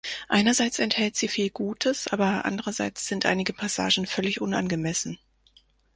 Einerseits enthält sie viel Gutes, aber andererseits sind einige Passagen völlig unangemessen.